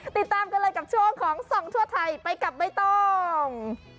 ติดตามกันเลยกับช่วงของส่องทั่วไทยไปกับใบตอง